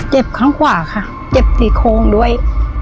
ข้างขวาค่ะเจ็บสี่โค้งด้วย